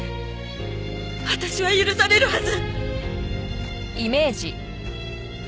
私は許されるはず。